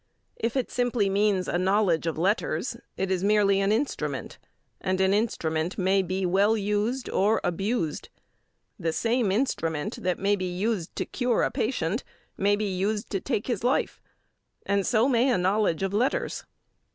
If it simply means a knowledge of letters, it is merely an instrument, and an instrument may be well used or abused. The same instrument that may be used to cure a patient may be used to take his life, and so may a knowledge of letters.